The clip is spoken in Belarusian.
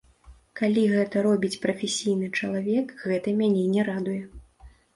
Калі гэта робіць прафесійны чалавек, гэта мяне не радуе.